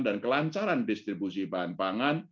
dan kelancaran distribusi bahan bangan